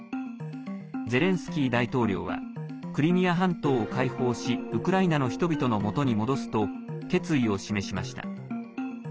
ゼレンスキー大統領はクリミア半島を解放しウクライナの人々のもとに戻すと決意を示しました。